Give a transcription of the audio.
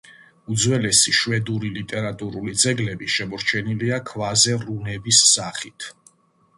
უძველესი შვედური ლიტერატურული ძეგლები შემორჩენილია ქვაზე რუნების სახით.